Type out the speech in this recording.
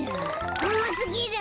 おもすぎる。